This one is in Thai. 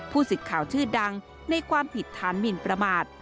ผู้สิทธิ์ข่าวชื่อดังในความผิดทานหมินประมาท